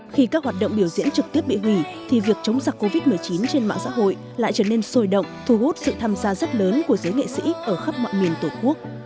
khi các hoạt động biểu diễn trực tiếp bị hủy thì việc chống giặc covid một mươi chín trên mạng xã hội lại trở nên sôi động thu hút sự tham gia rất lớn của giới nghệ sĩ ở khắp mọi miền tổ quốc